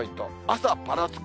朝ぱらつく、